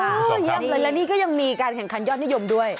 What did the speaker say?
เยี่ยมเลยและนี่ก็ยังมีการแข่งขันยอดนิยมด้วย